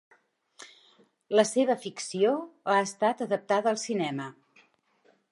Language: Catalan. La seva ficció ha estat adaptada al cinema.